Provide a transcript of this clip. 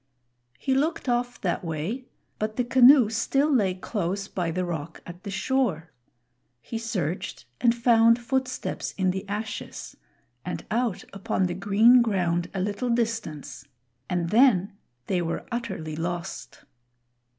He looked off that way, but the canoe still lay close by the rock at the shore. He searched and found footsteps in the ashes, and out upon the green ground a little distance, and then they were utterly lost.